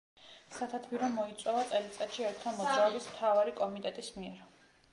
სათათბირო მოიწვევა წელიწადში ერთხელ მოძრაობის მთავარი კომიტეტის მიერ.